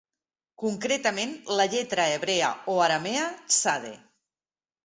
Concretament la lletra hebrea o aramea tsade.